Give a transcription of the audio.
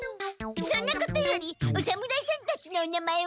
そんなことよりお侍さんたちのお名前は？